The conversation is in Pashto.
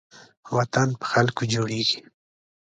وطن په خلکو جوړېږي